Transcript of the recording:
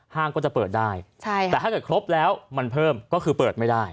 ก็จะเปิดได้แต่ถ้าเกิดครบแล้วมันเพิ่มก็คือเปิดไม่ได้